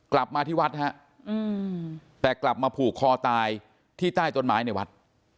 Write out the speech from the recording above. กลับมาที่วัดฮะแต่กลับมาผูกคอตายที่ใต้ต้นไม้ในวัด